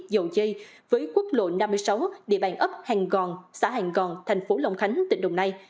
dầu dây với quốc lộ năm mươi sáu địa bàn ấp hàng gòn xã hàng gòn tp long khánh tỉnh đồng nay